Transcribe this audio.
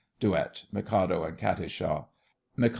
DUET—MIKADO and KATISHA. MIK.